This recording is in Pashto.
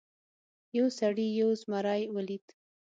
یو سړي یو زمری ولید.